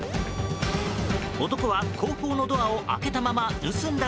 男は後方のドアを開けたまま盗んだ